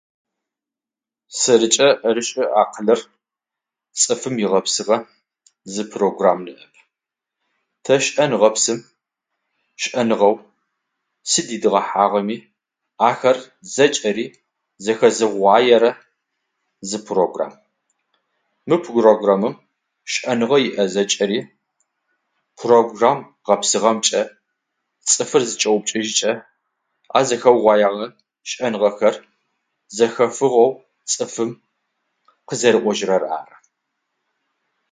Сэрыкӏэ ӏэрышӏэ акъылыр цӏыфым игъэпсыгъэ зы програм. Тэ шӏэн гъэпсым шӏэныгъэу сыд идгъэхьэгъэми ахэр зэкӏэри зэхэзыууаерэ зы програм. Мы програмым шӏэныгъэ иӏэ зэкӏэри програм гъэпсыгъэмкӏэ цӏыфыр зычӏэупкӏэжьыкӏэ а зэхэоягъэр шӏэныгъэхэр зэхэфыгъэу цӏыфым къызэрэӏожьырэр ары.